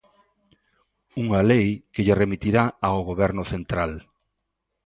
Unha lei que lle remitirá ao Goberno central.